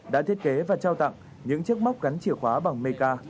đã thiết kế và trao tặng những chiếc móc gắn chìa khóa bằng meca